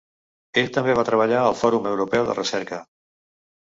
Ell també va treballar al Fòrum Europeu de Recerca.